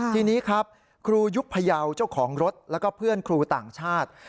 ทีนี้ครับครูยุคพยาวเจ้าของรถแล้วก็เพื่อนครูต่างชาติ